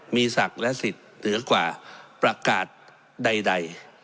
มีศักดิ์และสิทธิ์เหนือกว่าประกาศใด